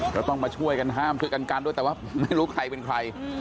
ก็ต้องมาช่วยกันห้ามช่วยกันกันด้วยแต่ว่าไม่รู้ใครเป็นใคร